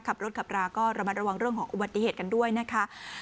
ขับรถขับราก็ระมัดระวังเรื่องของอุบัติเหตุกันด้วยนะคะ